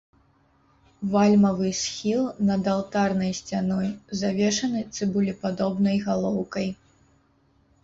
Вальмавы схіл над алтарнай сцяной завершаны цыбулепадобнай галоўкай.